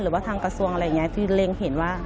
หรือว่าทางกระทรวงอะไรแบบนี้